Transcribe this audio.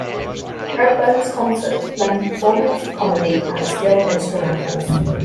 Redbone's concerts blend performance, comedy, and skilled instrumentals.